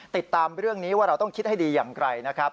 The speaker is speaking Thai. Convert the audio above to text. ติดตามเรื่องนี้ว่าเราต้องคิดให้ดีอย่างไรนะครับ